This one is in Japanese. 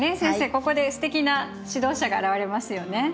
ここですてきな指導者が現れますよね。